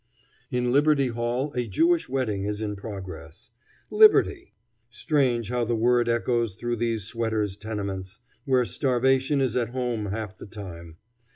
In Liberty Hall a Jewish wedding is in progress. Liberty! Strange how the word echoes through these sweaters' tenements, where starvation is at home half the time.